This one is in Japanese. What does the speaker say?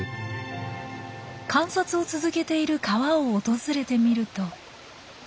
観察を続けている川を訪れてみると。